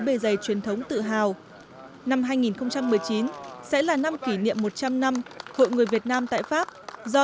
bề dày truyền thống tự hào năm hai nghìn một mươi chín sẽ là năm kỷ niệm một trăm linh năm hội người việt nam tại pháp do